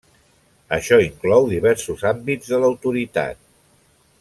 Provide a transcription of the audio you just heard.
Això inclou diversos àmbits de l’autoritat.